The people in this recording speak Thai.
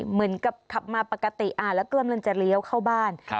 เหมือนกับขับมาปกติแล้วกลัวมันจะเลี้ยวเข้าบ้าน